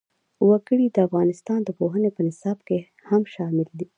وګړي د افغانستان د پوهنې په نصاب کې هم شامل دي.